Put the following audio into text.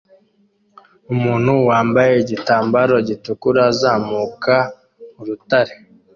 Umuntu wambaye igitambaro gitukura azamuka urutare